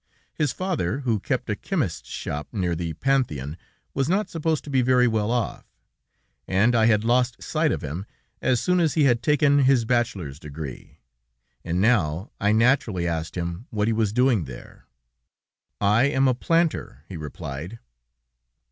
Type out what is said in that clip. His father, who kept a chemist's shop near the Panthéon, was not supposed to be very well off, and I had lost sight of him as soon as he had taken his bachelor's degree, and now I naturally asked him what he was doing there. "I am a planter," he replied.